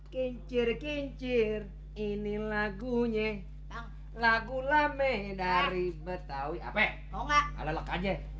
kincir kincir ini lagunya lagu lame dari betawi apa enggak